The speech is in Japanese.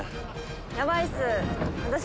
ヤバいっす。